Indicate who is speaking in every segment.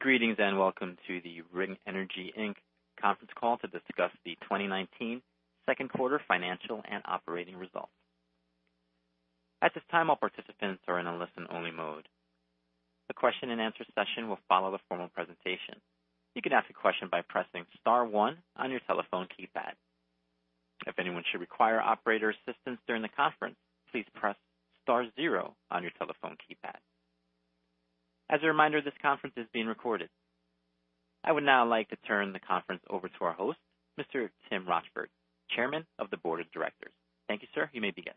Speaker 1: Greetings and welcome to the Ring Energy, Inc. conference call to discuss the 2019 second quarter financial and operating results. At this time, all participants are in a listen-only mode. The question and answer session will follow the formal presentation. You can ask a question by pressing star one on your telephone keypad. If anyone should require operator assistance during the conference, please press star zero on your telephone keypad. As a reminder, this conference is being recorded. I would now like to turn the conference over to our host, Mr. Tim Rochford, Chairman of the Board of Directors. Thank you, sir. You may begin.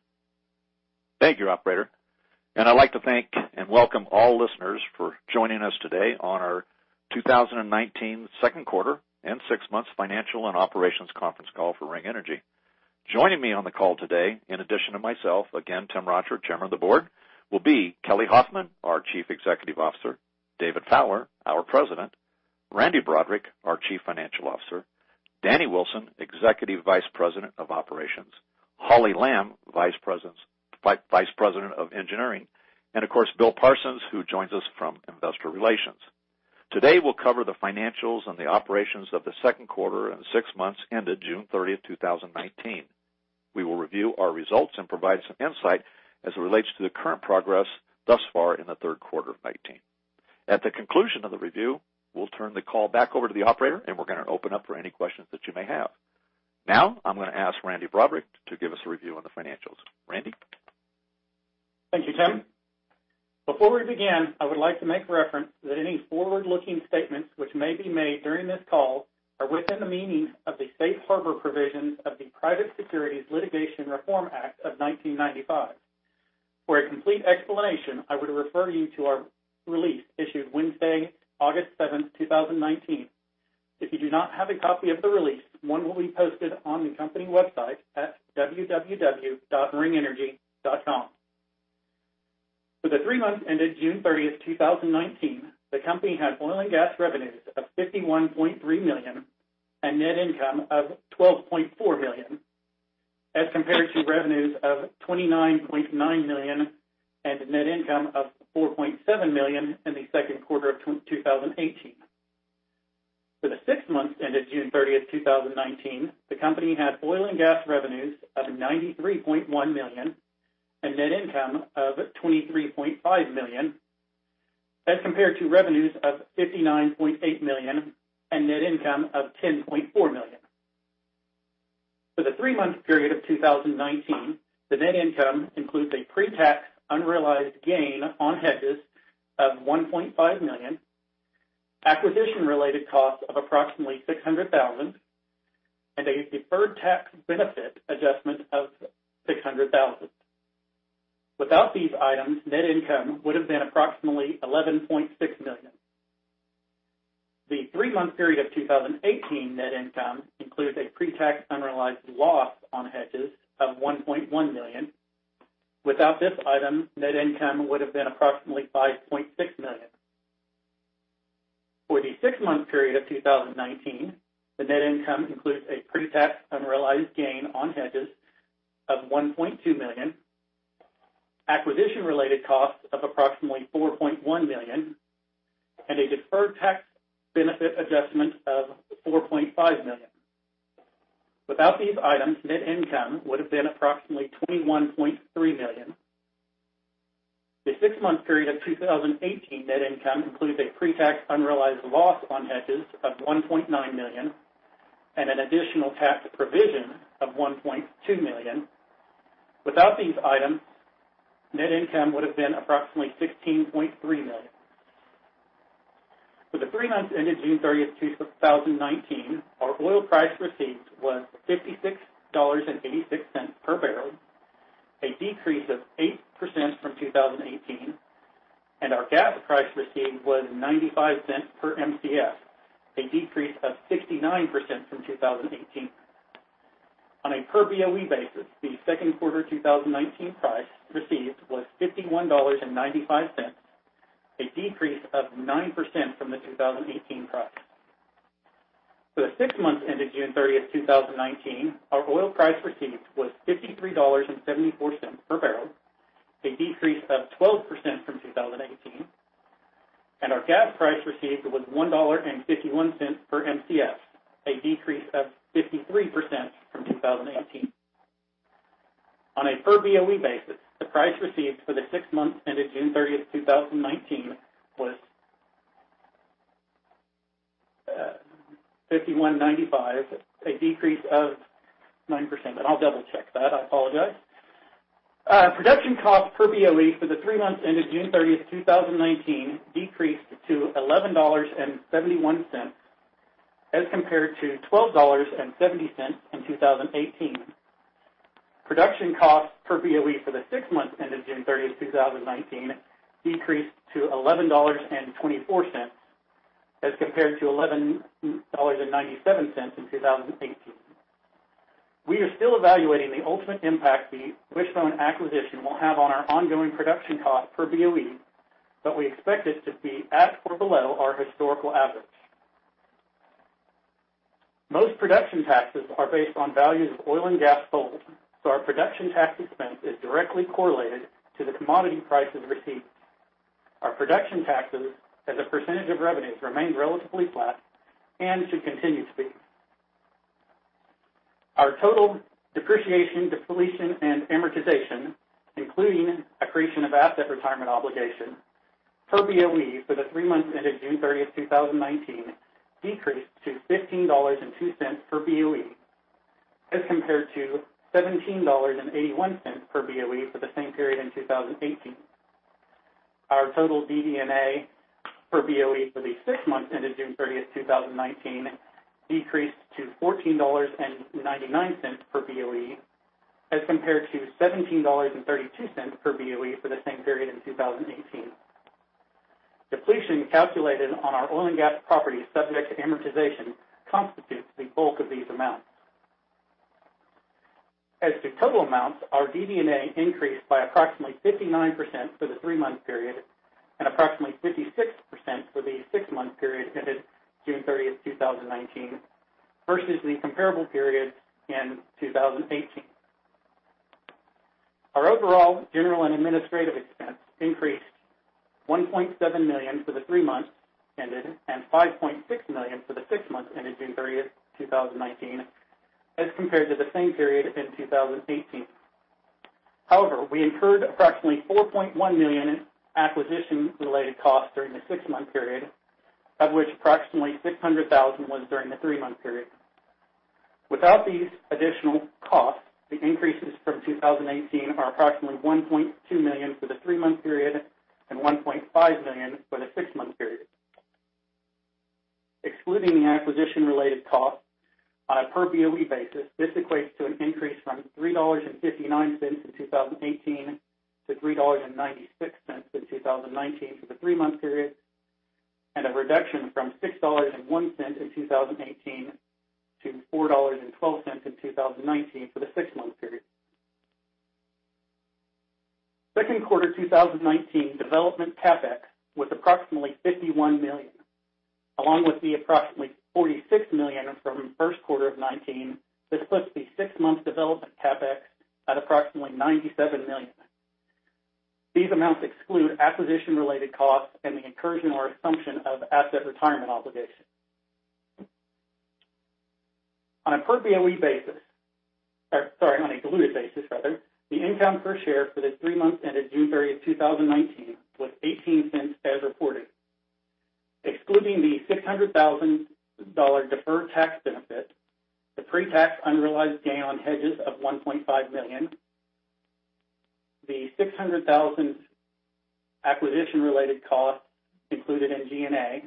Speaker 2: I'd like to thank and welcome all listeners for joining us today on our 2019 second quarter and six months financial and operations conference call for Ring Energy. Joining me on the call today, in addition to myself, again, Tim Rochford, Chairman of the Board, will be Kelly Hoffman, our Chief Executive Officer, David Fowler, our President, Randy Broaddrick, our Chief Financial Officer, Danny Wilson, Executive Vice President of Operations, Hollie Lamb, Vice President of Engineering, and of course, Bill Parsons, who joins us from investor relations. Today, we'll cover the financials and the operations of the second quarter and six months ended June 30, 2019. We will review our results and provide some insight as it relates to the current progress thus far in the third quarter of 2019. At the conclusion of the review, we'll turn the call back over to the operator, and we're going to open up for any questions that you may have. Now, I'm going to ask Randy Broaddrick to give us a review on the financials. Randy?
Speaker 3: Thank you, Tim. Before we begin, I would like to make reference that any forward-looking statements which may be made during this call are within the meanings of the Safe Harbor Provisions of the Private Securities Litigation Reform Act of 1995. For a complete explanation, I would refer you to our release issued Wednesday, August 7, 2019. If you do not have a copy of the release, one will be posted on the company website at www.ringenergy.com. For the three months ended June 30, 2019, the company had oil and gas revenues of $51.3 million and net income of $12.4 million, as compared to revenues of $29.9 million and net income of $4.7 million in the second quarter of 2018. For the six months ended June 30, 2019, the company had oil and gas revenues of $93.1 million and net income of $23.5 million, as compared to revenues of $59.8 million and net income of $10.4 million. For the three-month period of 2019, the net income includes a pre-tax unrealized gain on hedges of $1.5 million, acquisition-related costs of approximately $600,000, and a deferred tax benefit adjustment of $600,000. Without these items, net income would have been approximately $11.6 million. The three-month period of 2018 net income includes a pre-tax unrealized loss on hedges of $1.1 million. Without this item, net income would have been approximately $5.6 million. For the six-month period of 2019, the net income includes a pre-tax unrealized gain on hedges of $1.2 million, acquisition-related costs of approximately $4.1 million, and a deferred tax benefit adjustment of $4.5 million. Without these items, net income would have been approximately $21.3 million. The six-month period of 2018 net income includes a pre-tax unrealized loss on hedges of $1.9 million and an additional tax provision of $1.2 million. Without these items, net income would have been approximately $16.3 million. For the three months ended June 30th, 2019, our oil price received was $56.86 per barrel, a decrease of 8% from 2018, and our gas price received was $0.95 per Mcf, a decrease of 69% from 2018. On a per Boe basis, the second quarter 2019 price received was $51.95, a decrease of 9% from the 2018 price. For the six months ended June 30th, 2019, our oil price received was $53.74 per barrel, a decrease of 12% from 2018, and our gas price received was $1.51 per Mcf, a decrease of 53% from 2018. On a per Boe basis, the price received for the six months ended June 30th, 2019 was $51.95, a decrease of 9%. I'll double-check that. I apologize. Production cost per Boe for the three months ended June 30th, 2019, decreased to $11.71 as compared to $12.70 in 2018. Production cost per Boe for the six months ended June 30th, 2019, decreased to $11.24 as compared to $11.97 in 2018. We are still evaluating the ultimate impact the Wishbone acquisition will have on our ongoing production cost per BOE, but we expect it to be at or below our historical average. Production taxes are based on values of oil and gas sold, our production tax expense is directly correlated to the commodity price of receipts. Our production taxes as a percentage of revenues remain relatively flat and should continue to be. Our total depreciation, depletion, and amortization, including accretion of asset retirement obligation, per BOE for the three months ended June 30th, 2019, decreased to $15.02 per BOE as compared to $17.81 per BOE for the same period in 2018. Our total DD&A per BOE for the six months ended June 30th, 2019, decreased to $14.99 per BOE as compared to $17.32 per BOE for the same period in 2018. Depletion calculated on our oil and gas properties subject to amortization constitutes the bulk of these amounts. As to total amounts, our DD&A increased by approximately 59% for the three-month period and approximately 56% for the six-month period ended June 30, 2019, versus the comparable periods in 2018. Our overall general and administrative expense increased $1.7 million for the three months ended and $5.6 million for the six months ended June 30, 2019, as compared to the same period in 2018. However, we incurred approximately $4.1 million in acquisition-related costs during the six-month period, of which approximately $600,000 was during the three-month period. Without these additional costs, the increases from 2018 are approximately $1.2 million for the three-month period and $1.5 million for the six-month period. Excluding the acquisition-related costs on a per BOE basis, this equates to an increase from $3.59 in 2018 to $3.96 in 2019 for the three-month period, and a reduction from $6.01 in 2018 to $4.12 in 2019 for the six-month period. Second quarter 2019 development CapEx was approximately $51 million, along with the approximately $46 million from first quarter of 2019. This puts the six months development CapEx at approximately $97 million. These amounts exclude acquisition-related costs and the incursion or assumption of asset retirement obligations. On a per BOE basis Sorry, on a diluted basis rather, the income per share for the three months ended June 30th, 2019, was $0.18 as reported. Excluding the $600,000 deferred tax benefit, the pre-tax unrealized gain on hedges of $1.5 million, the $600,000 acquisition-related costs included in G&A,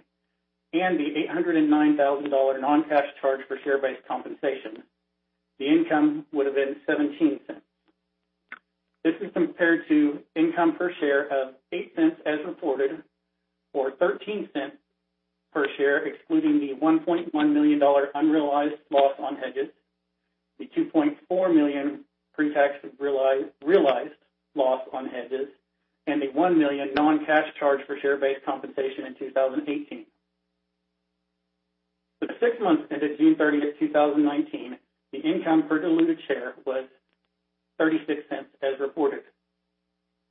Speaker 3: and the $809,000 non-cash charge for share-based compensation, the income would have been $0.17. This is compared to income per share of $0.08 as reported, or $0.13 per share, excluding the $1.1 million unrealized loss on hedges, the $2.4 million pre-tax realized loss on hedges, and the $1 million non-cash charge for share-based compensation in 2018. For the six months ended June 30th, 2019, the income per diluted share was $0.36 as reported.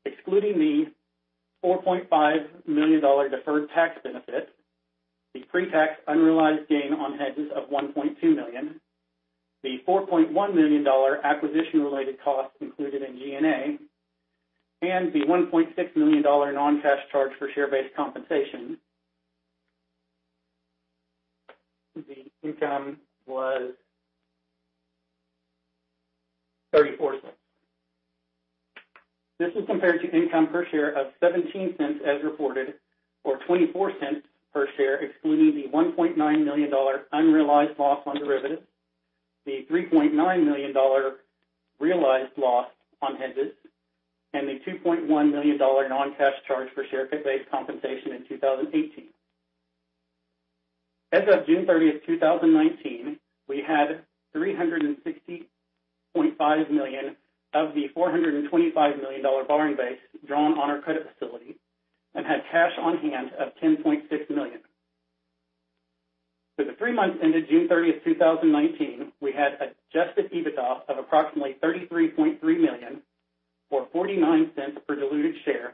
Speaker 3: Excluding the $4.5 million deferred tax benefit, the pre-tax unrealized gain on hedges of $1.2 million, the $4.1 million acquisition-related costs included in G&A, and the $1.6 million non-cash charge for share-based compensation, the income was $0.34. This is compared to income per share of $0.17 as reported, or $0.24 per share, excluding the $1.9 million unrealized loss on derivatives, the $3.9 million realized loss on hedges, and the $2.1 million non-cash charge for share-based compensation in 2018. As of June 30th, 2019, we had $360.5 million of the $425 million borrowing base drawn on our credit facility and had cash on hand of $10.6 million. For the three months ended June 30th, 2019, we had adjusted EBITDA of approximately $33.3 million, or $0.49 per diluted share,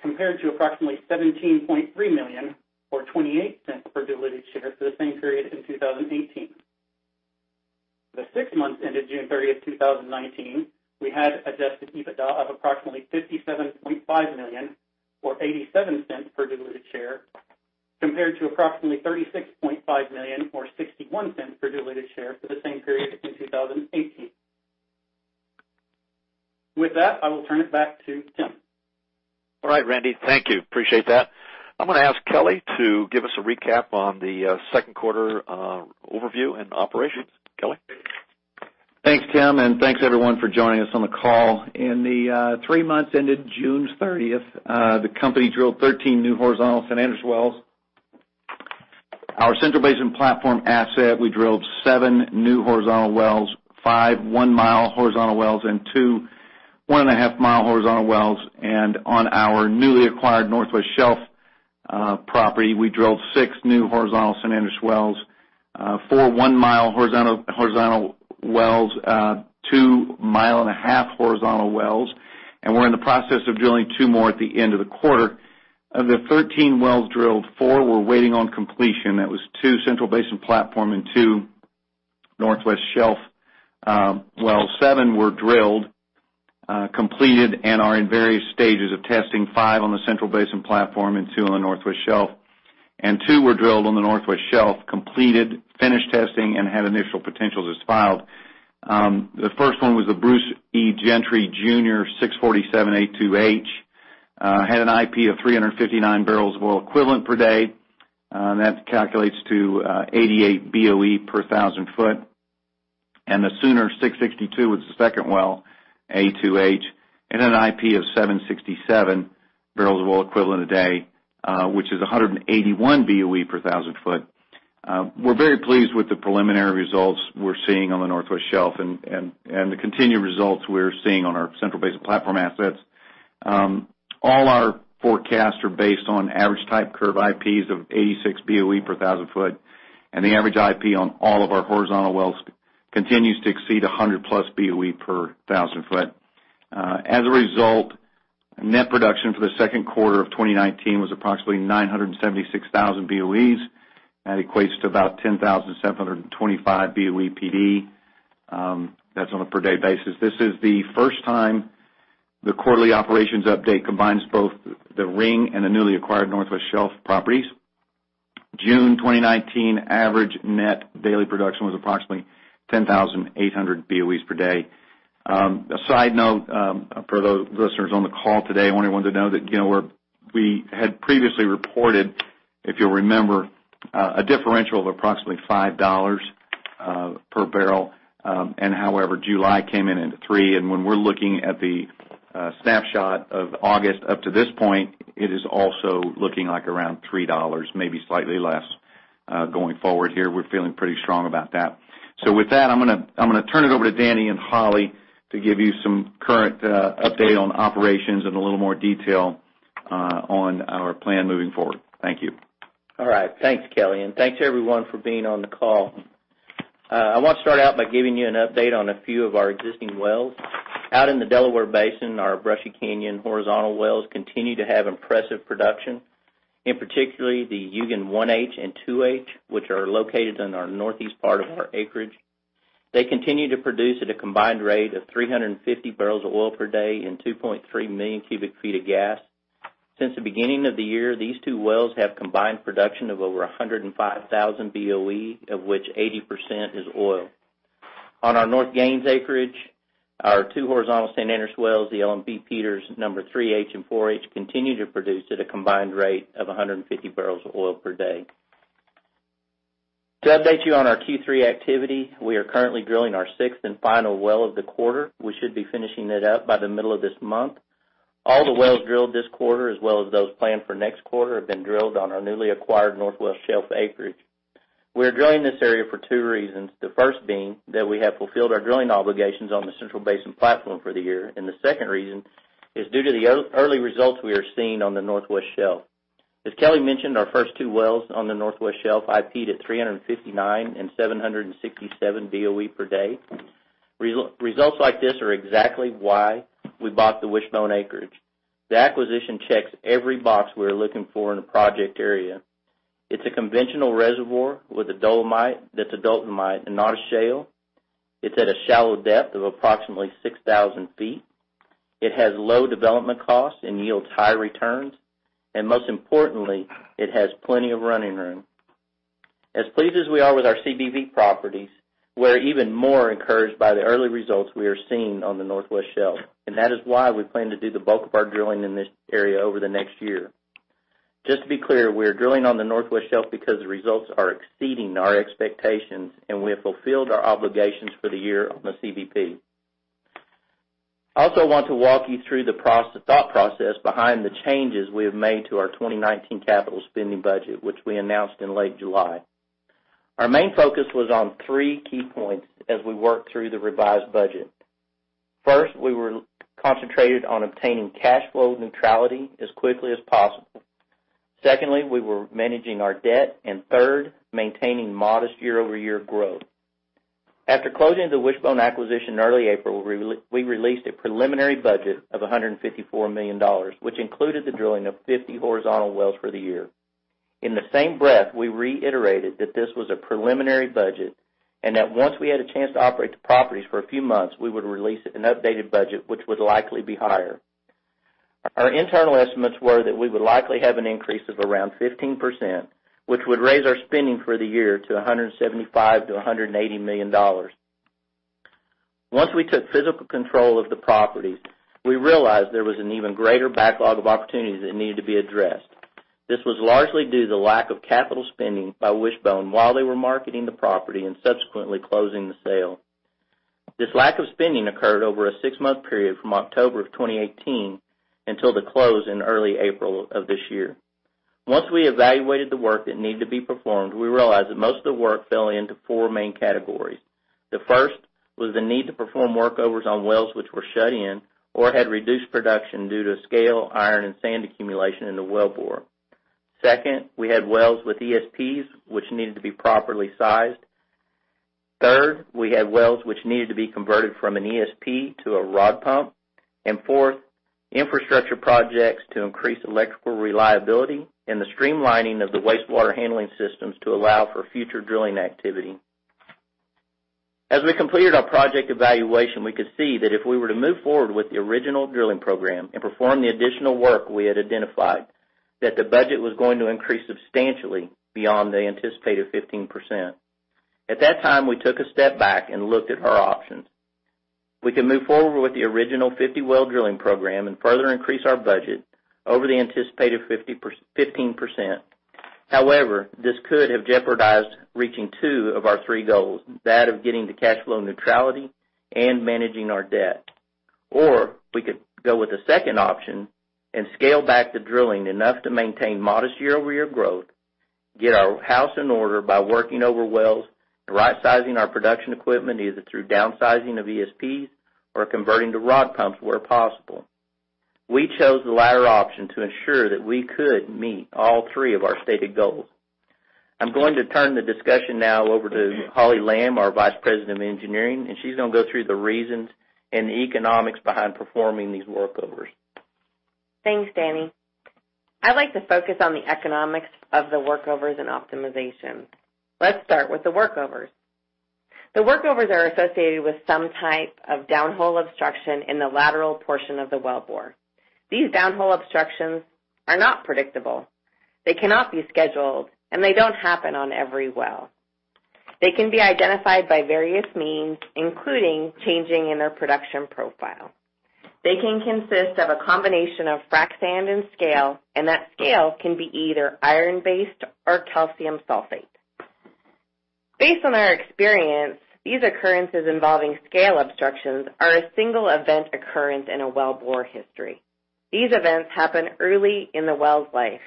Speaker 3: compared to approximately $17.3 million or $0.28 per diluted share for the same period in 2018. For the six months ended June 30th, 2019, we had adjusted EBITDA of approximately $57.5 million or $0.87 per diluted share, compared to approximately $36.5 million or $0.61 per diluted share for the same period in 2018. With that, I will turn it back to Tim.
Speaker 2: All right, Randy. Thank you. Appreciate that. I'm gonna ask Kelly to give us a recap on the second quarter overview and operations. Kelly?
Speaker 4: Thanks, Tim, and thanks everyone for joining us on the call. In the three months ended June 30th, the company drilled 13 new horizontal San Andres wells. Our Central Basin Platform asset, we drilled seven new horizontal wells, five one-mile horizontal wells, and two one-and-a-half-mile horizontal wells. On our newly acquired Northwest Shelf Property, we drilled six new horizontal San Andres wells, four one-mile horizontal wells, two mile-and-a-half horizontal wells, and we're in the process of drilling two more at the end of the quarter. Of the 13 wells drilled, four were waiting on completion. That was two Central Basin Platform and two Northwest Shelf wells. Seven were drilled, completed, and are in various stages of testing, five on the Central Basin Platform and two on the Northwest Shelf. Two were drilled on the Northwest Shelf, completed, finished testing, and had initial potentials as filed. The first one was the Bruce E. Gentry, Jr. #647H. Had an IP of 359 barrels of oil equivalent per day. That calculates to 88 BOE per 1,000 foot. The Sooner #662H was the second well, A2H, hit an IP of 767 barrels of oil equivalent a day, which is 181 BOE per 1,000 foot. We're very pleased with the preliminary results we're seeing on the Northwest Shelf and the continued results we're seeing on our Central Basin Platform assets. All our forecasts are based on average type curve IPs of 86 BOE per 1,000 foot, and the average IP on all of our horizontal wells continues to exceed 100-plus BOE per 1,000 foot. As a result, net production for the second quarter of 2019 was approximately 976,000 BOEs. That equates to about 10,725 BOE/PD. That's on a per day basis. This is the first time the quarterly operations update combines both the Ring and the newly acquired Northwest Shelf properties. June 2019 average net daily production was approximately 10,800 BOEs per day. A side note for those listeners on the call today, I want everyone to know that we had previously reported, if you'll remember, a differential of approximately $5 per barrel. However, July came in at three, and when we're looking at the snapshot of August up to this point, it is also looking like around $3, maybe slightly less going forward here. We're feeling pretty strong about that. With that, I'm going to turn it over to Danny and Hollie to give you some current update on operations and a little more detail on our plan moving forward. Thank you.
Speaker 5: All right. Thanks, Kelly, and thanks everyone for being on the call. I want to start out by giving you an update on a few of our existing wells. Out in the Delaware Basin, our Brushy Canyon horizontal wells continue to have impressive production, in particular the Eugene 1H and 2H, which are located in our northeast part of our acreage. They continue to produce at a combined rate of 350 barrels of oil per day and 2.3 million cubic feet of gas. Since the beginning of the year, these two wells have combined production of over 105,000 BOE, of which 80% is oil. On our North Gaines acreage, our two horizontal San Andres wells, the Ellen B. Peters number 3H and 4H, continue to produce at a combined rate of 150 barrels of oil per day. To update you on our Q3 activity, we are currently drilling our sixth and final well of the quarter. We should be finishing it up by the middle of this month. All the wells drilled this quarter, as well as those planned for next quarter, have been drilled on our newly acquired Northwest Shelf acreage. We are drilling this area for two reasons, the first being that we have fulfilled our drilling obligations on the Central Basin Platform for the year, and the second reason is due to the early results we are seeing on the Northwest Shelf. As Kelly mentioned, our first two wells on the Northwest Shelf IP'd at 359 and 767 BOE per day. Results like this are exactly why we bought the Wishbone acreage. The acquisition checks every box we were looking for in a project area. It's a conventional reservoir with a dolomite that's a dolomite and not a shale. It's at a shallow depth of approximately 6,000 feet. It has low development costs and yields high returns. Most importantly, it has plenty of running room. As pleased as we are with our CBP properties, we're even more encouraged by the early results we are seeing on the Northwest Shelf, that is why we plan to do the bulk of our drilling in this area over the next year. Just to be clear, we are drilling on the Northwest Shelf because the results are exceeding our expectations, and we have fulfilled our obligations for the year on the CBP. I also want to walk you through the thought process behind the changes we have made to our 2019 capital spending budget, which we announced in late July. Our main focus was on 3 key points as we worked through the revised budget. First, we were concentrated on obtaining cash flow neutrality as quickly as possible. Secondly, we were managing our debt, and third, maintaining modest year-over-year growth. After closing the Wishbone acquisition in early April, we released a preliminary budget of $154 million, which included the drilling of 50 horizontal wells for the year. In the same breath, we reiterated that this was a preliminary budget and that once we had a chance to operate the properties for a few months, we would release an updated budget, which would likely be higher. Our internal estimates were that we would likely have an increase of around 15%, which would raise our spending for the year to $175 million-$180 million. Once we took physical control of the properties, we realized there was an even greater backlog of opportunities that needed to be addressed. This was largely due to the lack of capital spending by Wishbone while they were marketing the property and subsequently closing the sale. This lack of spending occurred over a six-month period from October of 2018 until the close in early April of this year. Once we evaluated the work that needed to be performed, we realized that most of the work fell into four main categories. The first was the need to perform workovers on wells which were shut in or had reduced production due to scale, iron, and sand accumulation in the wellbore. Second, we had wells with ESPs which needed to be properly sized. Third, we had wells which needed to be converted from an ESP to a rod pump. Fourth, infrastructure projects to increase electrical reliability and the streamlining of the wastewater handling systems to allow for future drilling activity. As we completed our project evaluation, we could see that if we were to move forward with the original drilling program and perform the additional work we had identified, that the budget was going to increase substantially beyond the anticipated 15%. At that time, we took a step back and looked at our options. We could move forward with the original 50-well drilling program and further increase our budget over the anticipated 15%. This could have jeopardized reaching two of our three goals, that of getting to cash flow neutrality and managing our debt. We could go with the second option and scale back the drilling enough to maintain modest year-over-year growth, get our house in order by working over wells, and rightsizing our production equipment, either through downsizing of ESPs or converting to rod pumps where possible. We chose the latter option to ensure that we could meet all three of our stated goals. I'm going to turn the discussion now over to Hollie Lamb, our Vice President of Engineering, and she's going to go through the reasons and the economics behind performing these workovers.
Speaker 6: Thanks, Danny. I'd like to focus on the economics of the workovers and optimization. Let's start with the workovers. The workovers are associated with some type of downhole obstruction in the lateral portion of the wellbore. These downhole obstructions are not predictable. They cannot be scheduled, and they don't happen on every well. They can be identified by various means, including changing in their production profile. They can consist of a combination of frac sand and scale, and that scale can be either iron-based or calcium sulfate. Based on our experience, these occurrences involving scale obstructions are a single event occurrence in a wellbore history. These events happen early in the well's life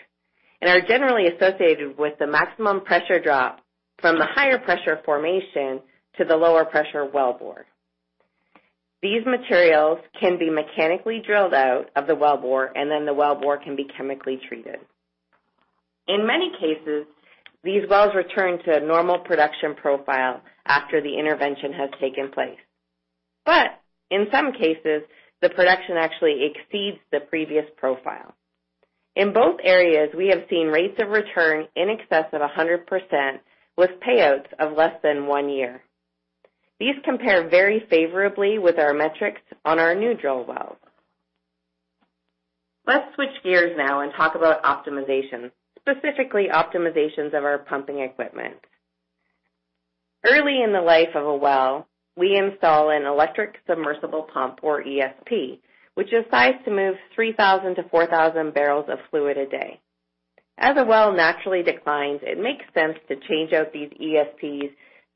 Speaker 6: and are generally associated with the maximum pressure drop from the higher pressure formation to the lower pressure wellbore. These materials can be mechanically drilled out of the wellbore, and then the wellbore can be chemically treated. In many cases, these wells return to a normal production profile after the intervention has taken place. In some cases, the production actually exceeds the previous profile. In both areas, we have seen rates of return in excess of 100% with payouts of less than one year. These compare very favorably with our metrics on our new drill wells. Let's switch gears now and talk about optimization, specifically optimizations of our pumping equipment. Early in the life of a well, we install an electric submersible pump, or ESP, which is sized to move 3,000 to 4,000 barrels of fluid a day. As a well naturally declines, it makes sense to change out these ESPs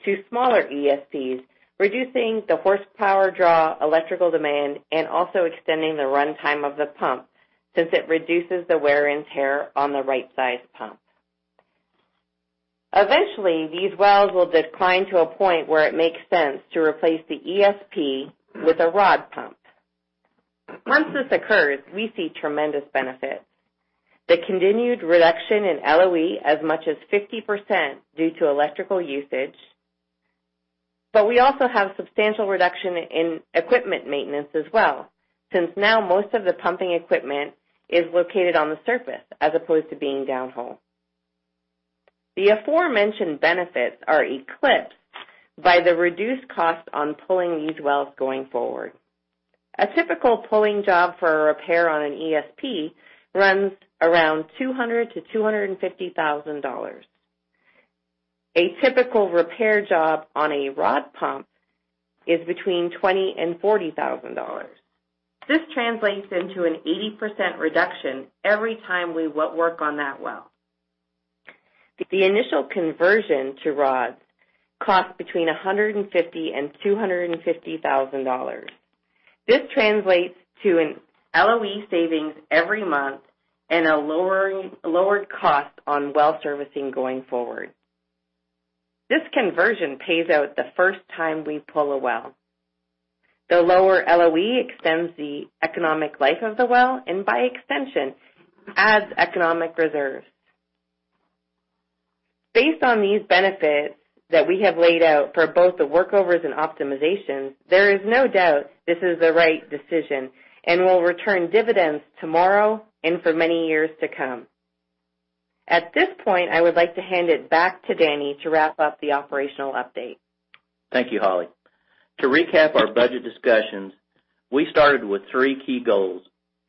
Speaker 6: to smaller ESPs, reducing the horsepower draw, electrical demand, and also extending the runtime of the pump, since it reduces the wear and tear on the right size pump. Eventually, these wells will decline to a point where it makes sense to replace the ESP with a rod pump. Once this occurs, we see tremendous benefits. The continued reduction in LOE as much as 50% due to electrical usage. We also have substantial reduction in equipment maintenance as well, since now most of the pumping equipment is located on the surface as opposed to being downhole. The aforementioned benefits are eclipsed by the reduced cost on pulling these wells going forward. A typical pulling job for a repair on an ESP runs around $200,000-$250,000. A typical repair job on a rod pump is between $20,000 and $40,000. This translates into an 80% reduction every time we work on that well. The initial conversion to rods costs between $150,000 and $250,000. This translates to an LOE savings every month and a lowered cost on well servicing going forward. This conversion pays out the first time we pull a well. The lower LOE extends the economic life of the well, and by extension, adds economic reserves. Based on these benefits that we have laid out for both the workovers and optimizations, there is no doubt this is the right decision and will return dividends tomorrow and for many years to come. At this point, I would like to hand it back to Danny to wrap up the operational update.
Speaker 5: Thank you, Hollie. To recap our budget discussions, we started with three key goals.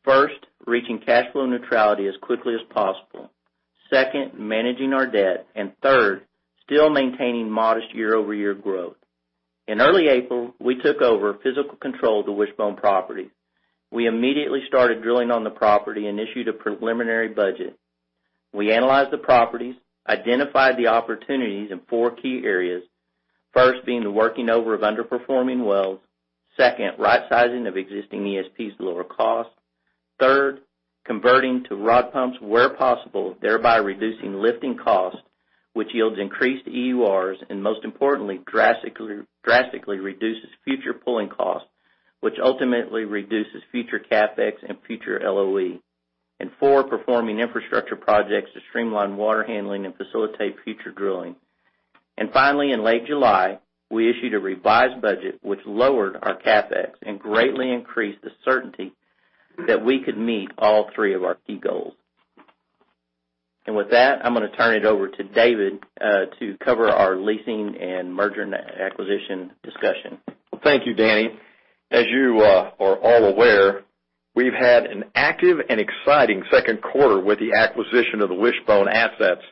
Speaker 5: First, reaching cash flow neutrality as quickly as possible. Second, managing our debt. Third, still maintaining modest year-over-year growth. In early April, we took over physical control of the Wishbone property. We immediately started drilling on the property and issued a preliminary budget. We analyzed the properties, identified the opportunities in four key areas. First being the working over of underperforming wells. Second, rightsizing of existing ESPs to lower costs. Third, converting to rod pumps where possible, thereby reducing lifting costs, which yields increased EURs, and most importantly, drastically reduces future pulling costs, which ultimately reduces future CapEx and future LOE. Four, performing infrastructure projects to streamline water handling and facilitate future drilling. Finally, in late July, we issued a revised budget which lowered our CapEx and greatly increased the certainty that we could meet all three of our key goals. With that, I'm going to turn it over to David to cover our leasing and merger and acquisition discussion.
Speaker 7: Well, thank you, Danny. As you are all aware, we've had an active and exciting second quarter with the acquisition of the Wishbone assets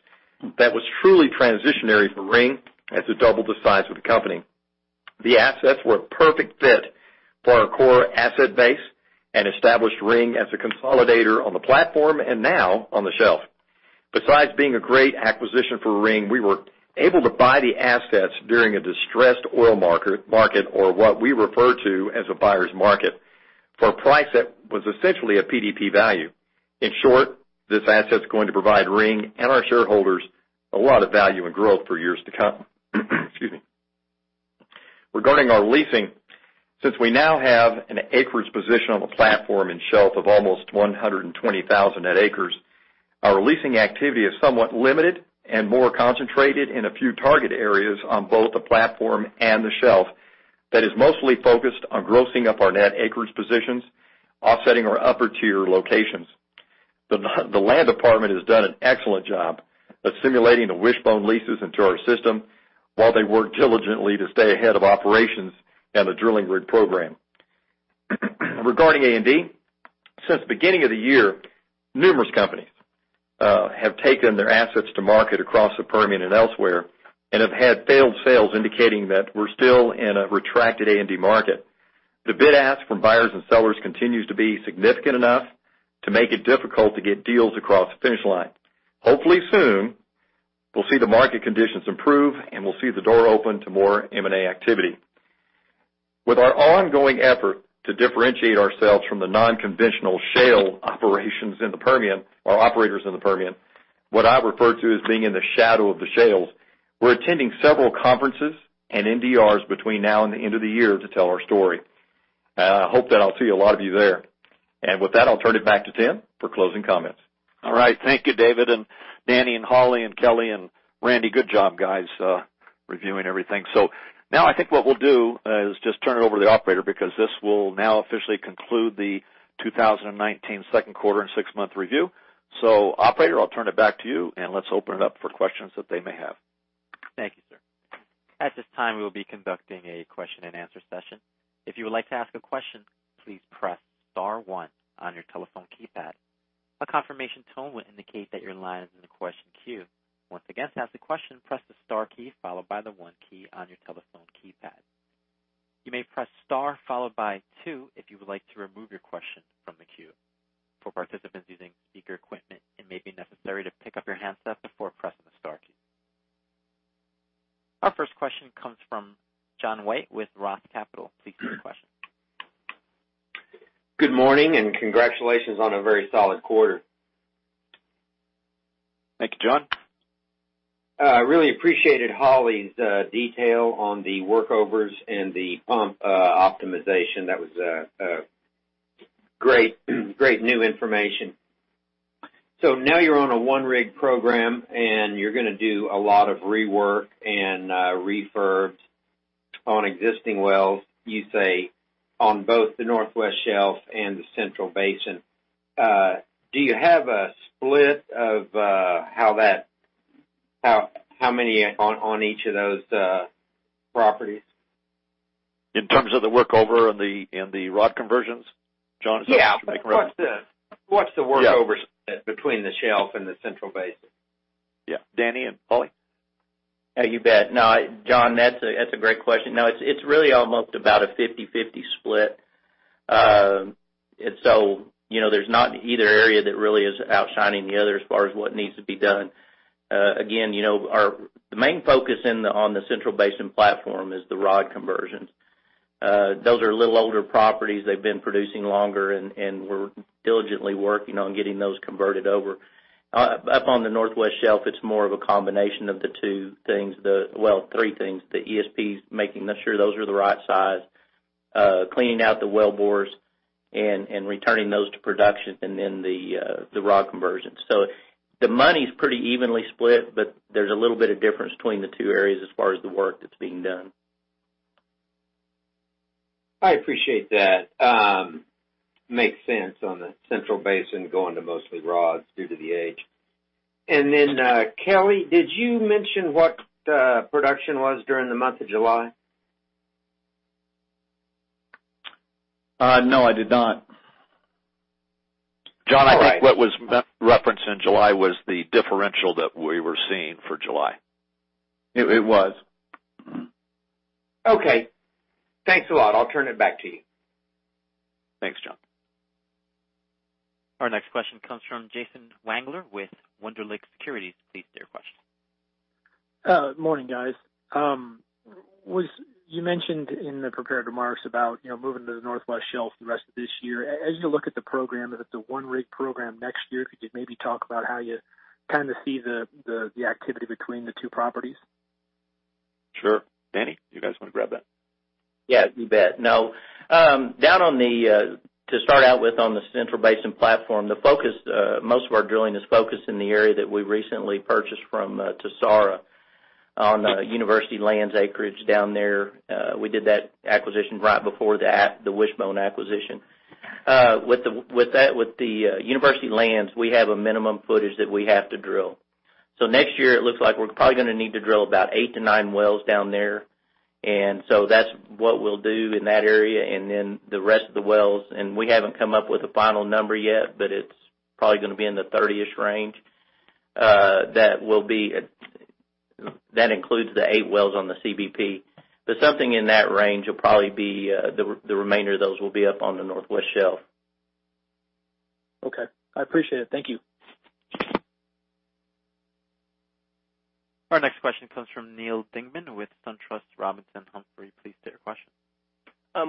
Speaker 7: that was truly transitionary for Ring as it doubled the size of the company. The assets were a perfect fit for our core asset base and established Ring as a consolidator on the platform and now on the shelf. Besides being a great acquisition for Ring, we were able to buy the assets during a distressed oil market, or what we refer to as a buyers market, for a price that was essentially a PDP value. In short, this asset's going to provide Ring and our shareholders a lot of value and growth for years to come. Excuse me. Regarding our leasing, since we now have an acreage position on the Platform and Shelf of almost 120,000 net acres, our leasing activity is somewhat limited and more concentrated in a few target areas on both the Platform and the Shelf that is mostly focused on grossing up our net acreage positions, offsetting our upper tier locations. The land department has done an excellent job of simulating the Wishbone leases into our system while they work diligently to stay ahead of operations and the drilling rig program. Regarding A&D, since the beginning of the year, numerous companies have taken their assets to market across the Permian and elsewhere and have had failed sales indicating that we're still in a retracted A&D market. The bid-ask from buyers and sellers continues to be significant enough to make it difficult to get deals across the finish line. Hopefully soon, we'll see the market conditions improve, and we'll see the door open to more M&A activity. With our ongoing effort to differentiate ourselves from the non-conventional shale operations in the Permian, or operators in the Permian, what I refer to as being in the shadow of the shales, we're attending several conferences and NDRs between now and the end of the year to tell our story. I hope that I'll see a lot of you there. With that, I'll turn it back to Tim for closing comments.
Speaker 2: All right. Thank you, David, and Danny and Hollie and Kelly and Randy. Good job, guys, reviewing everything. Now I think what we'll do is just turn it over to the operator, because this will now officially conclude the 2019 second quarter and six-month review. Operator, I'll turn it back to you, and let's open it up for questions that they may have.
Speaker 1: Thank you, sir. At this time, we will be conducting a question and answer session. If you would like to ask a question, please press star one on your telephone keypad. A confirmation tone will indicate that your line is in the question queue. Once again, to ask a question, press the star key followed by the one key on your telephone keypad. You may press star followed by two if you would like to remove your question from the queue. For participants using speaker equipment, it may be necessary to pick up your handset before pressing the star key. Our first question comes from John White with ROTH Capital. Please proceed with your question.
Speaker 8: Good morning, congratulations on a very solid quarter.
Speaker 2: Thank you, John.
Speaker 8: I really appreciated Hollie's detail on the workovers and the pump optimization. That was great new information. Now you're on a one-rig program, and you're going to do a lot of rework and refurbs on existing wells, you say, on both the Northwest Shelf and the Central Basin. Do you have a split of how many on each of those properties?
Speaker 2: In terms of the workover and the rod conversions, John? Is that-
Speaker 8: Yeah.
Speaker 2: Okay.
Speaker 8: What's the workover split between the Shelf and the Central Basin?
Speaker 2: Yeah. Danny and Hollie?
Speaker 5: Yeah, you bet. John, that's a great question. It's really almost about a 50/50 split. There's not either area that really is outshining the other as far as what needs to be done. Again, the main focus on the Central Basin Platform is the rod conversions. Those are a little older properties. They've been producing longer, and we're diligently working on getting those converted over. Up on the Northwest Shelf, it's more of a combination of the two things, well, three things, the ESPs, making sure those are the right size, cleaning out the wellbores and returning those to production, and then the rod conversions. The money's pretty evenly split, but there's a little bit of difference between the two areas as far as the work that's being done.
Speaker 8: I appreciate that. Makes sense on the Central Basin going to mostly rods due to the age. Kelly, did you mention what production was during the month of July?
Speaker 4: No, I did not.
Speaker 2: All right. John, I think what was referenced in July was the differential that we were seeing for July.
Speaker 4: It was.
Speaker 8: Okay. Thanks a lot. I'll turn it back to you.
Speaker 2: Thanks, John.
Speaker 1: Our next question comes from Jason Wangler with Wunderlich Securities. Please state your question.
Speaker 9: Morning, guys. You mentioned in the prepared remarks about moving to the Northwest Shelf the rest of this year. As you look at the program, if it's a one-rig program next year, could you maybe talk about how you see the activity between the two properties?
Speaker 2: Sure. Danny, do you guys want to grab that?
Speaker 5: Yeah, you bet. To start out with, on the Central Basin Platform, most of our drilling is focused in the area that we recently purchased from Tesoro on the university lands acreage down there. We did that acquisition right before the Wishbone acquisition. With the university lands, we have a minimum footage that we have to drill. Next year, it looks like we're probably going to need to drill about eight to nine wells down there. That's what we'll do in that area, and then the rest of the wells, and we haven't come up with a final number yet, but it's probably going to be in the 30-ish range. That includes the eight wells on the CBP. Something in that range will probably be the remainder of those will be up on the Northwest Shelf.
Speaker 9: Okay. I appreciate it. Thank you.
Speaker 1: Our next question comes from Neal Dingmann with SunTrust Robinson Humphrey. Please state your question.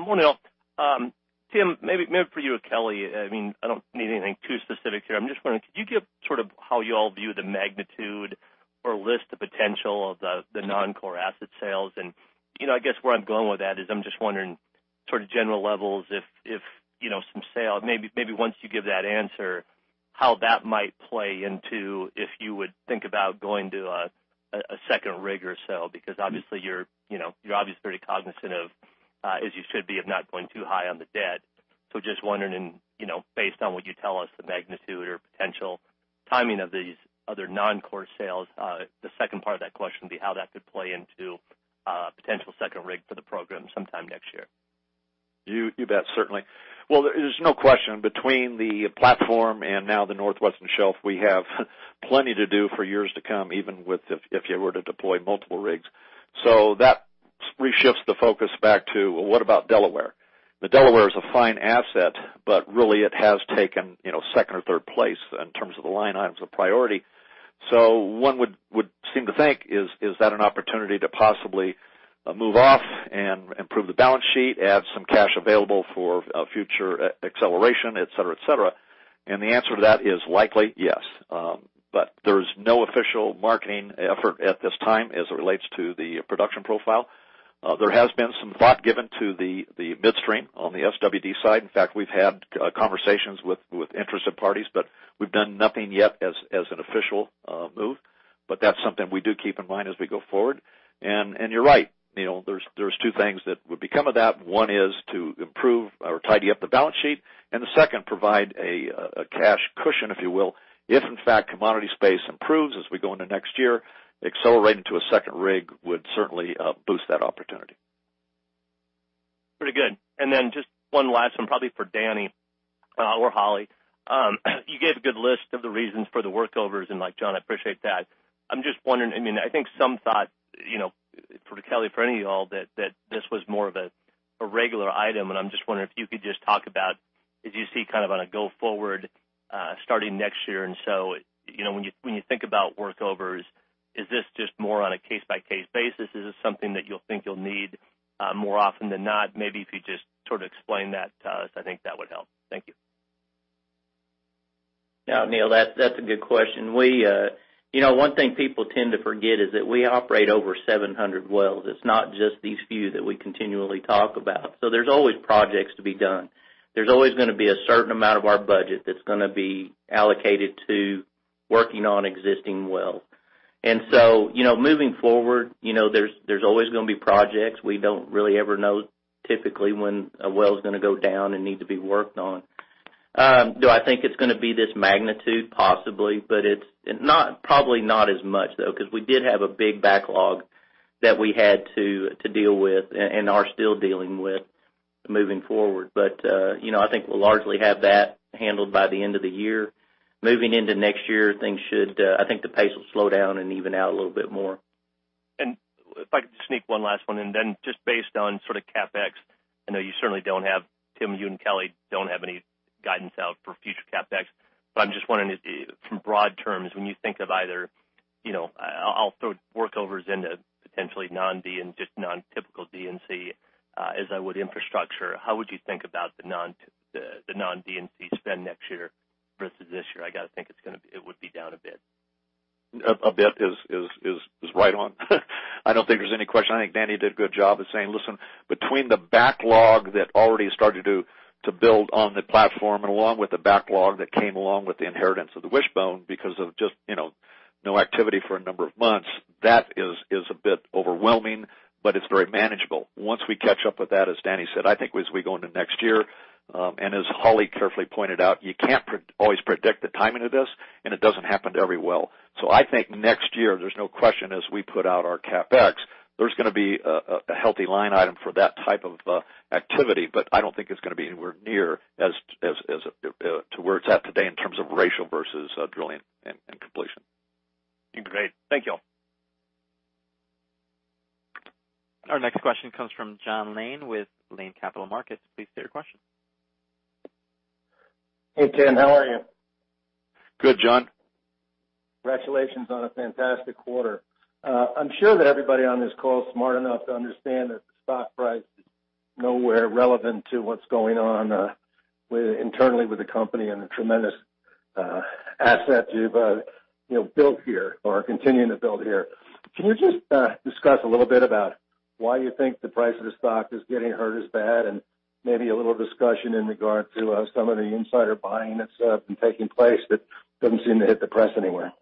Speaker 10: Morning, all. Tim, maybe for you or Kelly. I don't need anything too specific here. I'm just wondering, could you give how you all view the magnitude or list the potential of the non-core asset sales? I guess where I'm going with that is I'm just wondering, general levels, if some sale, maybe once you give that answer, how that might play into if you would think about going to a second rig or so, because you're obviously pretty cognizant of, as you should be, of not going too high on the debt. Just wondering, based on what you tell us, the magnitude or potential timing of these other non-core sales, the second part of that question would be how that could play into a potential second rig for the program sometime next year.
Speaker 2: You bet. Certainly. There's no question between the platform and now the Northwest Shelf, we have plenty to do for years to come, even if you were to deploy multiple rigs. That reshift the focus back to what about Delaware? The Delaware is a fine asset, but really it has taken second or third place in terms of the line items of priority. One would seem to think is that an opportunity to possibly move off and improve the balance sheet, have some cash available for a future acceleration, et cetera. The answer to that is likely yes. There's no official marketing effort at this time as it relates to the production profile. There has been some thought given to the midstream on the SWD side. In fact, we've had conversations with interested parties, but we've done nothing yet as an official move. That's something we do keep in mind as we go forward. You're right, Neal, there's two things that would become of that. One is to improve or tidy up the balance sheet, and the second, provide a cash cushion, if you will. If in fact commodity space improves as we go into next year, accelerating to a second rig would certainly boost that opportunity.
Speaker 10: Pretty good. Just one last one, probably for Danny or Hollie. You gave a good list of the reasons for the workovers, and John, I appreciate that. I'm just wondering, I think some thought for Kelly, for any of you all, that this was more of a regular item, and I'm just wondering if you could just talk about, as you see on a go forward starting next year and so. When you think about workovers, is this just more on a case-by-case basis? Is this something that you'll think you'll need more often than not? Maybe if you just explain that to us, I think that would help. Thank you.
Speaker 5: Yeah, Neal, that's a good question. One thing people tend to forget is that we operate over 700 wells. It's not just these few that we continually talk about. There's always projects to be done. There's always going to be a certain amount of our budget that's going to be allocated to working on existing wells. Moving forward, there's always going to be projects. We don't really ever know typically when a well's going to go down and need to be worked on. Do I think it's going to be this magnitude? Possibly, but probably not as much, though, because we did have a big backlog that we had to deal with and are still dealing with moving forward. I think we'll largely have that handled by the end of the year. Moving into next year, I think the pace will slow down and even out a little bit more.
Speaker 10: If I could just sneak one last one, just based on sort of CapEx, I know you certainly don't have, Tim, you and Kelly don't have any guidance out for future CapEx, I'm just wondering from broad terms, when you think of either, I'll throw workovers into potentially just non-typical D&C as I would infrastructure, how would you think about the non-D&C spend next year versus this year? I got to think it would be down a bit.
Speaker 2: A bit is right on. I don't think there's any question. I think Danny did a good job of saying, listen, between the backlog that already started to build on the platform and along with the backlog that came along with the inheritance of the Wishbone because of just no activity for a number of months, that is a bit overwhelming, but it's very manageable. Once we catch up with that, as Danny said, I think as we go into next year, and as Hollie carefully pointed out, you can't always predict the timing of this, and it doesn't happen to every well. I think next year, there's no question as we put out our CapEx, there's going to be a healthy line item for that type of activity, but I don't think it's going to be anywhere near to where it's at today in terms of ratio versus drilling and completion.
Speaker 10: Great. Thank you all.
Speaker 1: Our next question comes from John Lane with Lane Capital Markets. Please state your question.
Speaker 11: Hey, Tim, how are you?
Speaker 2: Good, John.
Speaker 11: Congratulations on a fantastic quarter. I'm sure that everybody on this call is smart enough to understand that the stock price is nowhere relevant to what's going on internally with the company and the tremendous asset you've built here or are continuing to build here. Can you just discuss a little bit about why you think the price of the stock is getting hurt as bad and maybe a little discussion in regards to some of the insider buying that's been taking place that doesn't seem to hit the press anywhere?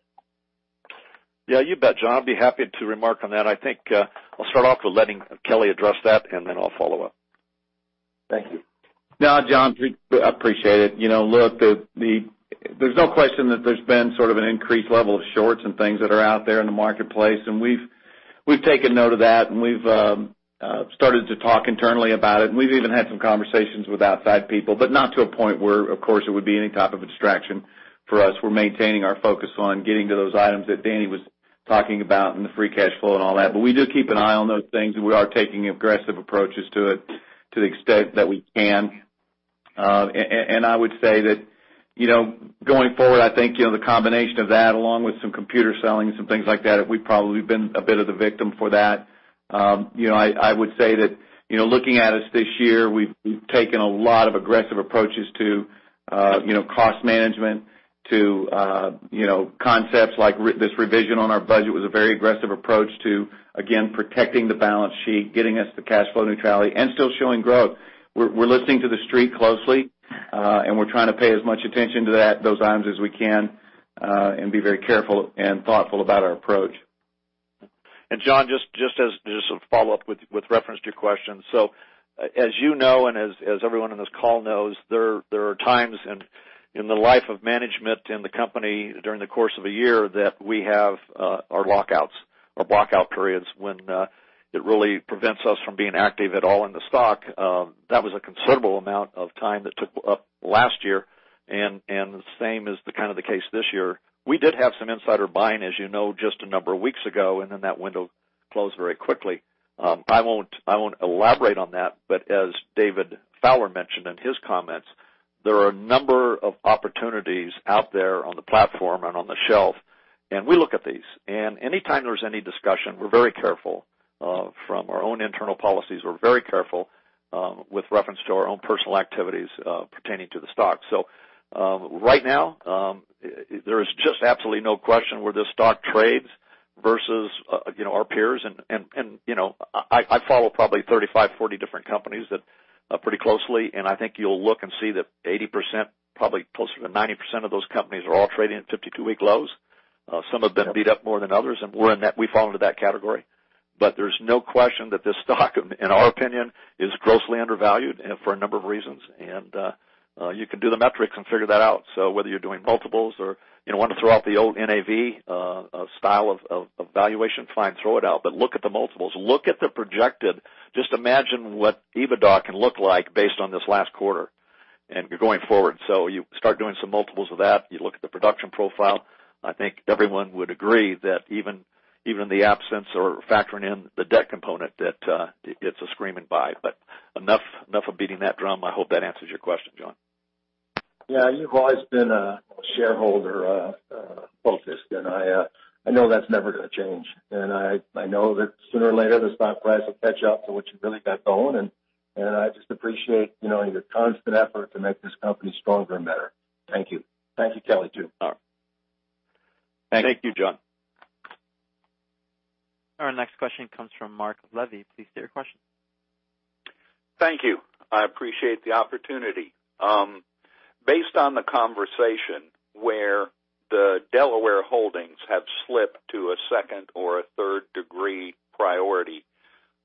Speaker 2: Yeah, you bet, John. I'd be happy to remark on that. I think I'll start off with letting Kelly address that, and then I'll follow up.
Speaker 11: Thank you.
Speaker 4: No, John, I appreciate it. Look, there's no question that there's been sort of an increased level of shorts and things that are out there in the marketplace, and we've taken note of that, and we've started to talk internally about it, and we've even had some conversations with outside people, but not to a point where, of course, it would be any type of distraction for us. We're maintaining our focus on getting to those items that Danny was talking about and the free cash flow and all that. We do keep an eye on those things, and we are taking aggressive approaches to it to the extent that we can. I would say that going forward, I think, the combination of that, along with some computer selling and some things like that, we've probably been a bit of the victim for that. I would say that looking at us this year, we've taken a lot of aggressive approaches to cost management, to concepts like this revision on our budget was a very aggressive approach to, again, protecting the balance sheet, getting us the cash flow neutrality, and still showing growth. We're listening to the street closely, and we're trying to pay as much attention to those items as we can, and be very careful and thoughtful about our approach.
Speaker 2: John, just as a follow-up with reference to your question. As you know, and as everyone on this call knows, there are times in the life of management in the company during the course of a year that we have our lockouts or blockout periods when it really prevents us from being active at all in the stock. That was a considerable amount of time that took up last year, and the same is the case this year. We did have some insider buying, as you know, just a number of weeks ago, and then that window closed very quickly. I won't elaborate on that, but as David Fowler mentioned in his comments, there are a number of opportunities out there on the platform and on the shelf, and we look at these. Anytime there's any discussion, we're very careful. From our own internal policies, we're very careful with reference to our own personal activities pertaining to the stock. Right now, there is just absolutely no question where this stock trades versus our peers. I follow probably 35, 40 different companies pretty closely, and I think you'll look and see that 80%, probably closer to 90% of those companies are all trading at 52-week lows. Some have been beat up more than others, and we fall into that category. There's no question that this stock, in our opinion, is grossly undervalued and for a number of reasons. You can do the metrics and figure that out. Whether you're doing multiples or you want to throw out the old NAV style of valuation, fine, throw it out. Look at the multiples. Look at the projected. Just imagine what EBITDA can look like based on this last quarter and going forward. You start doing some multiples of that. You look at the production profile. I think everyone would agree that even in the absence or factoring in the debt component, that it's a screaming buy. Enough of beating that drum. I hope that answers your question, John.
Speaker 11: Yeah. You've always been a shareholder focused, and I know that's never going to change. I know that sooner or later, the stock price will catch up to what you've really got going, and I just appreciate your constant effort to make this company stronger and better. Thank you. Thank you, Kelly, too.
Speaker 4: All right.
Speaker 2: Thank you, John.
Speaker 1: Our next question comes from Mark Levy. Please state your question.
Speaker 12: Thank you. I appreciate the opportunity. Based on the conversation where the Delaware holdings have slipped to a second or a third-degree priority,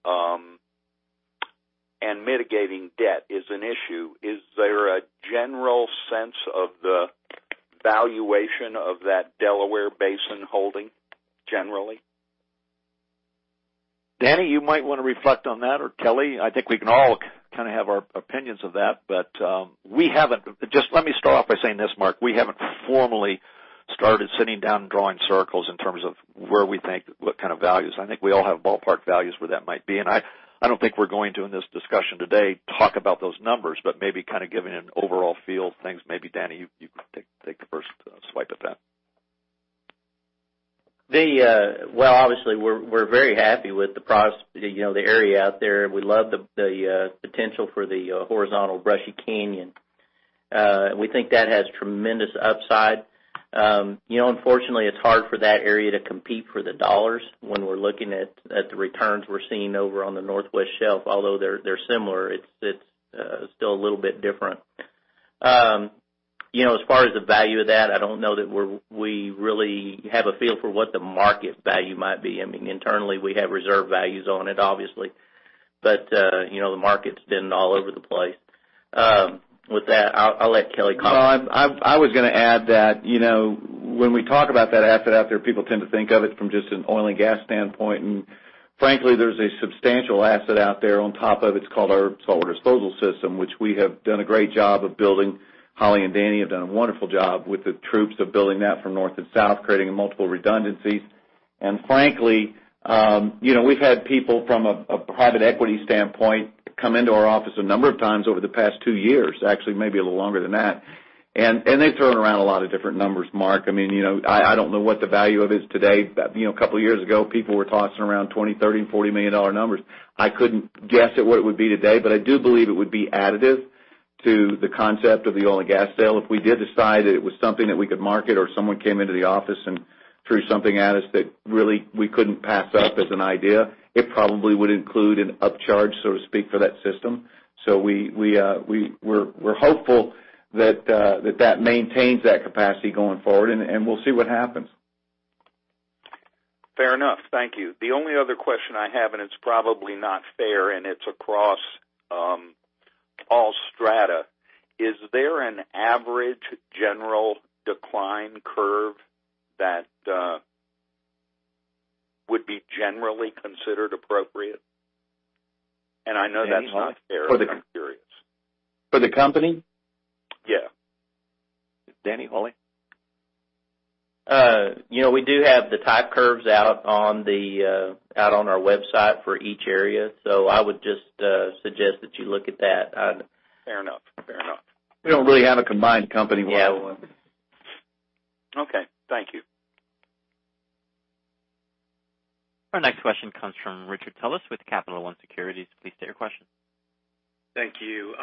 Speaker 12: and mitigating debt is an issue, is there a general sense of the valuation of that Delaware Basin holding, generally?
Speaker 2: Danny, you might want to reflect on that, or Kelly. I think we can all have our opinions of that. Just let me start off by saying this, Mark: we haven't formally started sitting down and drawing circles in terms of where we think, what kind of values. I think we all have ballpark values where that might be, and I don't think we're going to, in this discussion today, talk about those numbers, but maybe giving an overall feel of things. Maybe Danny, you take the first swipe at that.
Speaker 5: Obviously, we're very happy with the area out there. We love the potential for the horizontal Brushy Canyon. We think that has tremendous upside. Unfortunately, it's hard for that area to compete for the dollars when we're looking at the returns we're seeing over on the Northwest Shelf. Although they're similar, it's still a little bit different. As far as the value of that, I don't know that we really have a feel for what the market value might be. Internally, we have reserve values on it, obviously. The market's been all over the place. With that, I'll let Kelly comment.
Speaker 4: I was going to add that when we talk about that asset out there, people tend to think of it from just an oil and gas standpoint. Frankly, there's a substantial asset out there on top of it. It's called our saltwater disposal system, which we have done a great job of building. Hollie and Danny have done a wonderful job with the troops of building that from north to south, creating multiple redundancies. Frankly, we've had people from a private equity standpoint come into our office a number of times over the past 2 years, actually maybe a little longer than that. They throw around a lot of different numbers, Mark. I don't know what the value of it is today. A couple of years ago, people were tossing around $20, $30, and $40 million numbers. I couldn't guess at what it would be today, but I do believe it would be additive to the concept of the oil and gas sale if we did decide that it was something that we could market, or someone came into the office and threw something at us that really we couldn't pass up as an idea. It probably would include an upcharge, so to speak, for that system. We're hopeful that that maintains that capacity going forward, and we'll see what happens.
Speaker 12: Fair enough. Thank you. The only other question I have, and it's probably not fair, and it's across all strata. Is there an average general decline curve that would be generally considered appropriate? I know that's not fair, but I'm curious.
Speaker 4: For the company?
Speaker 12: Yeah.
Speaker 4: Danny, Holly?
Speaker 5: We do have the type curves out on our website for each area, so I would just suggest that you look at that.
Speaker 12: Fair enough.
Speaker 4: We don't really have a combined company-wide one.
Speaker 12: Okay, thank you.
Speaker 1: Our next question comes from Richard Tullis with Capital One Securities. Please state your question.
Speaker 13: Thank you.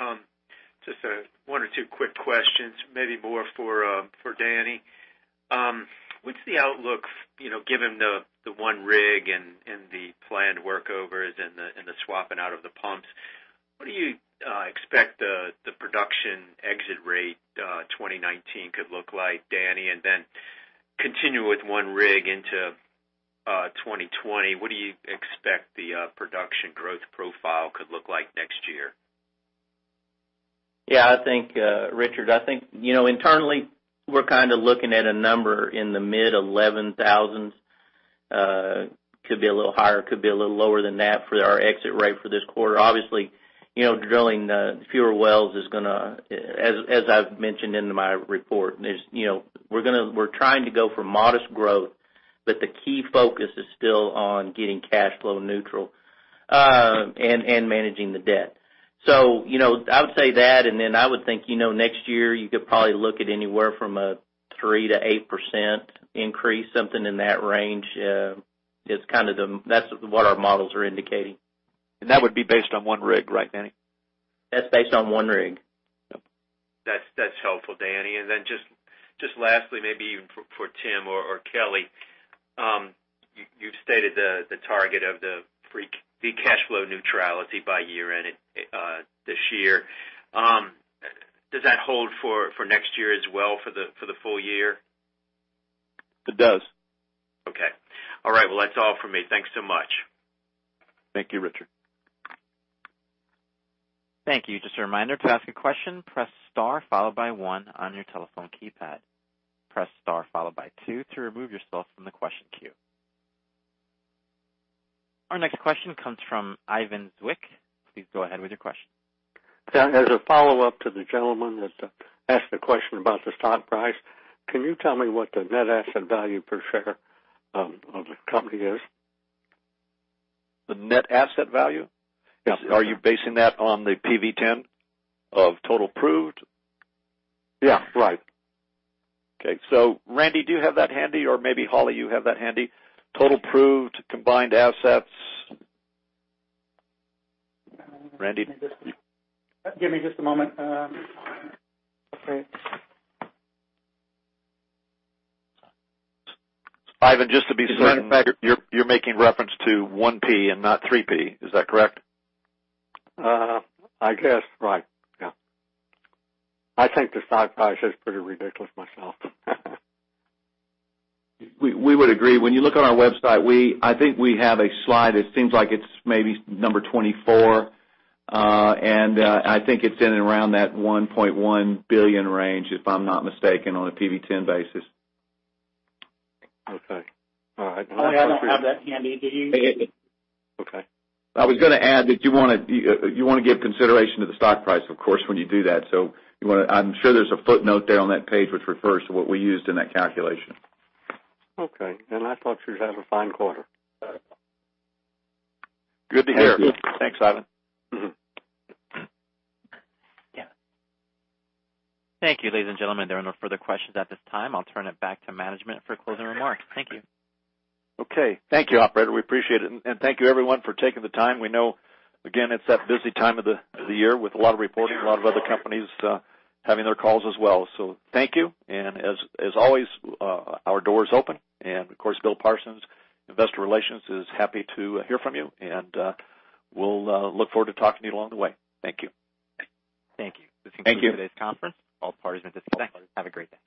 Speaker 13: Just one or two quick questions, maybe more for Danny. What's the outlook, given the one rig and the planned workovers and the swapping out of the pumps, what do you expect the production exit rate 2019 could look like, Danny? Continue with one rig into 2020, what do you expect the production growth profile could look like next year?
Speaker 5: Richard, I think internally, we're looking at a number in the mid-11,000. Could be a little higher, could be a little lower than that for our exit rate for this quarter. Obviously, drilling fewer wells is going to, as I've mentioned in my report, we're trying to go for modest growth, but the key focus is still on getting cash flow neutral and managing the debt. I would say that, and then I would think next year, you could probably look at anywhere from a 3%-8% increase, something in that range. That's what our models are indicating.
Speaker 4: That would be based on one rig, right, Danny?
Speaker 5: That's based on one rig.
Speaker 13: That's helpful, Danny. Just lastly, maybe even for Tim or Kelly. You've stated the target of the free cash flow neutrality by year-end this year. Does that hold for next year as well for the full year?
Speaker 4: It does.
Speaker 13: Okay. All right. Well, that's all from me. Thanks so much.
Speaker 4: Thank you, Richard.
Speaker 1: Thank you. Just a reminder, to ask a question, press star followed by one on your telephone keypad. Press star followed by two to remove yourself from the question queue. Our next question comes from Ivan Zwick. Please go ahead with your question.
Speaker 12: As a follow-up to the gentleman that asked a question about the stock price, can you tell me what the net asset value per share of the company is?
Speaker 4: The net asset value?
Speaker 12: Yes.
Speaker 4: Are you basing that on the PV-10 of total proved?
Speaker 12: Yeah, right.
Speaker 4: Okay. Randy, do you have that handy, or maybe Holly, you have that handy? Total proved combined assets. Randy?
Speaker 3: Give me just a moment. Okay.
Speaker 4: Ivan, just to be clear, You're making reference to 1P and not 3P, is that correct?
Speaker 12: I guess, right. Yeah. I think the stock price is pretty ridiculous myself.
Speaker 4: We would agree. When you look on our website, I think we have a slide, it seems like it's maybe number 24. I think it's in and around that $1.1 billion range, if I'm not mistaken, on a PV-10 basis.
Speaker 12: Okay. All right.
Speaker 3: Hollie, I don't have that handy. Did you?
Speaker 12: Okay.
Speaker 4: I was going to add that you want to give consideration to the stock price, of course, when you do that. I'm sure there's a footnote there on that page which refers to what we used in that calculation.
Speaker 12: Okay. I thought you were having a fine quarter.
Speaker 4: Good to hear.
Speaker 12: Thank you.
Speaker 4: Thanks, Ivan.
Speaker 1: Thank you, ladies and gentlemen. There are no further questions at this time. I'll turn it back to management for closing remarks. Thank you.
Speaker 4: Okay. Thank you, operator. We appreciate it, and thank you everyone for taking the time. We know, again, it's that busy time of the year with a lot of reporting, a lot of other companies having their calls as well. Thank you, and as always, our door is open, and of course, Bill Parsons, Investor Relations, is happy to hear from you, and we'll look forward to talking to you along the way. Thank you.
Speaker 1: Thank you.
Speaker 3: Thank you.
Speaker 1: This concludes today's conference. All parties have been disconnected. Have a great day.